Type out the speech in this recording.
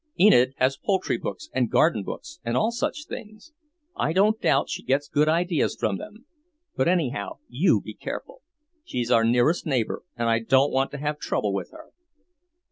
Enid has poultry books and garden books, and all such things. I don't doubt she gets good ideas from them. But anyhow, you be careful. She's our nearest neighbour, and I don't want to have trouble with her."